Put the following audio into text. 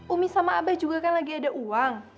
umi sama abah juga kan lagi ada uang